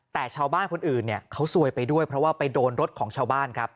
แต่ชาวบ้านคนอื่นเนี่ยเขาซวยไปด้วยเพราะว่าไปโดนรถของชาวบ้านครับ